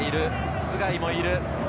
須貝もいる。